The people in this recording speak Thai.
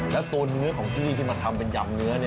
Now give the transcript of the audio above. แล้วตัวเนื้อของที่นี่ที่มาทำเป็นยำเนื้อ